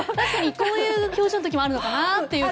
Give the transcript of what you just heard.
こういう表情の時もあるのかなという。